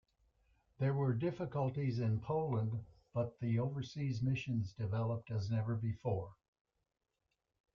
There were difficulties in Poland but the overseas missions developed as never before.